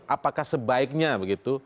apakah sebaiknya begitu